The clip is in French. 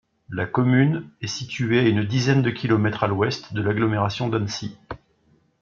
La commune est située à une dizaine de kilomètres à l'ouest de l'agglomération d'Annecy.